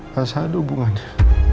gak ada hubungannya